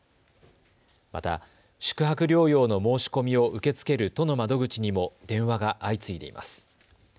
また宿泊療養の申し込みを受け付ける都の窓口にも電話が相次いでいます。